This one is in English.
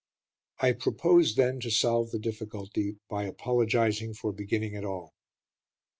I propose, then, to solve the difficulty by apologising for beginning at all.